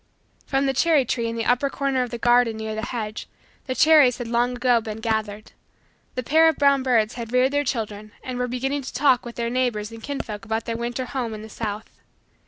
From the cherry tree in the upper corner of the garden near the hedge, the cherries had long ago been gathered. The pair of brown birds had reared their children and were beginning to talk with their neighbors and kinfolk about their winter home in the south.